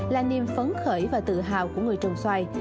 là niềm phấn khởi và tự hào của người trồng xoài